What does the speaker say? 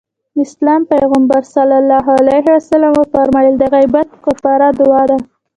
د اسلام پيغمبر ص وفرمايل د غيبت کفاره دعا ده.